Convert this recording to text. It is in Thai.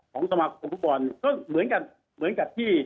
ของสมาคมผู้บอลเนี่ยก็เหมือนกับที่